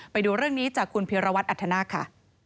ไปดูเรื่องนี้จากคุณพิรวัตรอัธนาคค่ะ